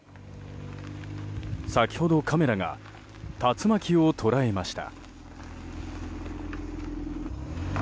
先ほど、カメラが竜巻を捉えました。